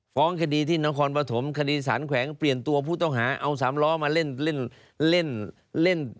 ฟ้องคดีที่นครปฐมคดีสารแขวงเปลี่ยนตัวผู้ต้องหาเอาสามล้อมาเล่นเล่น